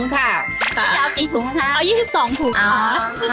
คุณจะเอากี่ถุงค่ะเอา๒๒ถุงค่ะอ๋อค่ะ